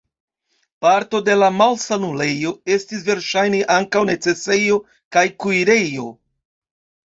Parto de la malsanulejo estis verŝajne ankaŭ necesejo kaj kuirejo.